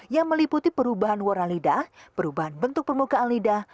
yang meliputi perubahan warna lidah perubahan bentuk permukaan lidah